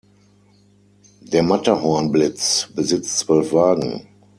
Der "Matterhorn-Blitz" besitzt zwölf Wagen.